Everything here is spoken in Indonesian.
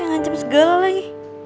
pakai ngancem segala lagi